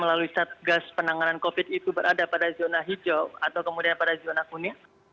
melalui satgas penanganan covid itu berada pada zona hijau atau kemudian pada zona kuning